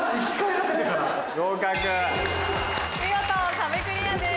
見事壁クリアです。